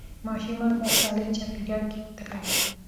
ماشومان په سالمه چاپېریال کې وده کوي.